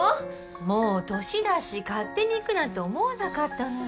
もう年だし勝手に行くなんて思わなかったのよ